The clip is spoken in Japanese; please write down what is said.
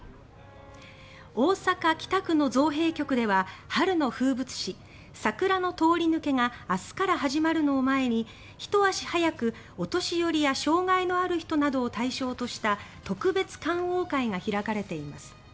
大阪・北区の造幣局では春の風物詩、桜の通り抜けが明日から始まるのを前にひと足早くお年寄りや障害のある人などを対象とした特別観桜会が開かれています。